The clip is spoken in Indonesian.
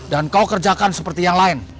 dan kau kerjakan seperti yang lain